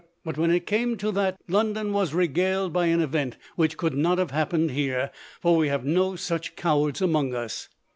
But when it came to that, London was regaled by an event which could not have happened here, for we have no such cowards among us.